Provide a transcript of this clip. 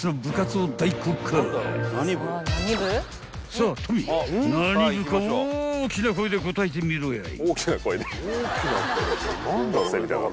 ［さあトミー何部か大きな声で答えてみろやい］